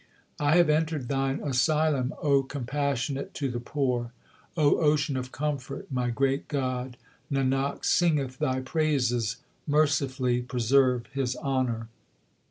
I have entered Thine asylum, O compassionate to the poor. O ocean of comfort, my great God, Nanak singeth Thy praises, mercifully preserve his honour.